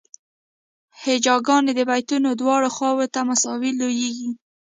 هجاګانې د بیتونو دواړو خواوو ته مساوي لویږي.